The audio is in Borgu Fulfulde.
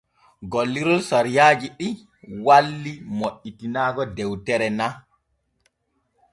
Gollirol saawariiji ɗi walli moƴƴitinaago dewtere na.